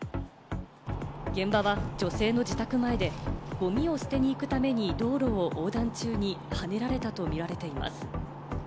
現場は女性の自宅前でゴミを捨てに行くために道路を横断中にはねられたと見られています。